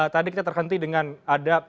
tadi kita terhenti dengan ada